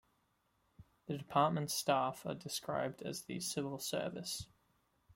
The departments' staff are described as the civil service.